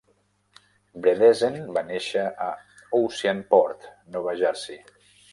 Bredesen va néixer a Oceanport, Nova Jersey.